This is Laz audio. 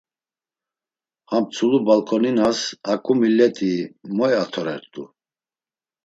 Ham tzulu balǩoninas haǩu millet̆i moy atorert̆u.